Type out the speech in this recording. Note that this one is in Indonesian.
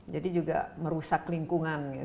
jadi juga merusak lingkungan gitu